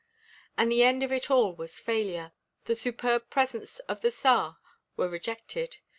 "And the end of it all was failure. The superb presents of the Tsar were rejected.